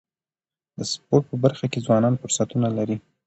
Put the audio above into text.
د سپورټ په برخه کي ځوانان فرصتونه لري.